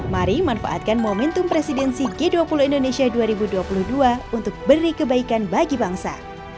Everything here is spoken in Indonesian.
mari manfaatkan momentum presidensi g dua puluh indonesia dua ribu dua puluh dua untuk beri kebaikan bagi bangsa